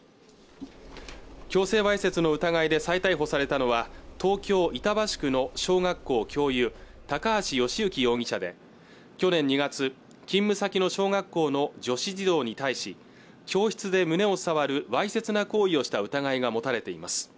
強制わいせつの疑いで再逮捕されたのは東京・板橋区の小学校教諭高橋慶行容疑者で去年２月勤務先の小学校の女子児童に対し教室で胸を触るわいせつな行為をした疑いが持たれています